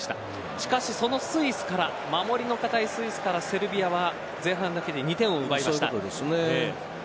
しかし、そのスイスから守りの硬いスイスからセルビアは前半だけで２点を奪いました。